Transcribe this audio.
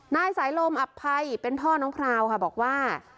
นายสายลมอับภัยเป็นพ่อน้องพราวค่ะบอกว่า